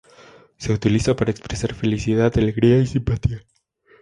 Se utiliza para expresar felicidad, alegría o simpatía.